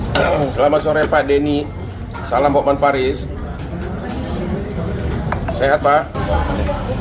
hai selamat sore pak denny salam bokman paris sehat pak